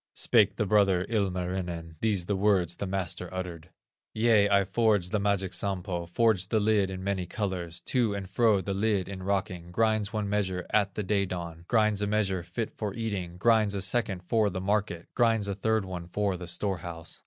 Spake the brother, Ilmarinen, These the words the master uttered: "Yea, I forged the magic Sampo, Forged the lid in many colors; To and fro the lid in rocking Grinds one measure at the day dawn, Grinds a measure fit for eating, Grinds a second for the market, Grinds a third one for the store house.